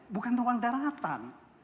bukan ruang daratan